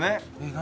何？